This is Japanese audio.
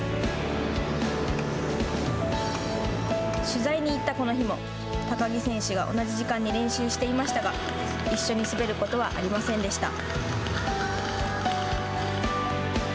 取材に行ったこの日も高木選手が同じ時間に練習していましたが一緒に滑ることはありませんでした。